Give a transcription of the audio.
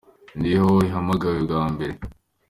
niyo ihamagawe bwa mbere.